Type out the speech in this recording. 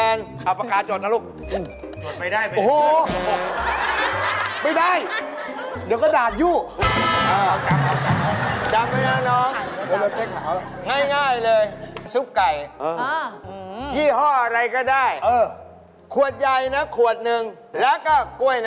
เออมีปากกาไหมแล้วไปบอกแฟน